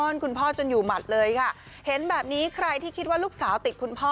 คุณพ่อจนอยู่หมัดเลยค่ะเห็นแบบนี้ใครที่คิดว่าลูกสาวติดคุณพ่อ